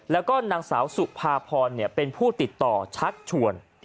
แล้วก็นางสาวสุภาพรเป็นผู้ติดต่อชักชวน